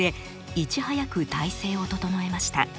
いち早く体制を整えました。